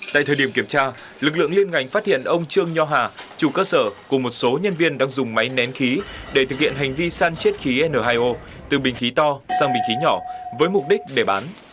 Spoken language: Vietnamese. tại thời điểm kiểm tra lực lượng liên ngành phát hiện ông trương nho hà chủ cơ sở cùng một số nhân viên đang dùng máy nén khí để thực hiện hành vi săn chết khí n hai o từ bình khí to sang bình khí nhỏ với mục đích để bán